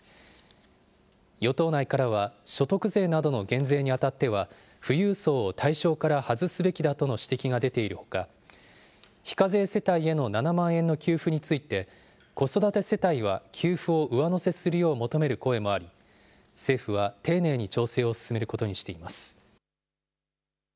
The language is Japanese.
与党内からは、所得税などの減税にあたっては、富裕層を対象から外すべきだとの指摘が出ているほか、非課税世帯への７万円の給付について、子育て世帯は給付を上乗せするよう求める声もあり、政府は丁寧に調整を進めることにしています。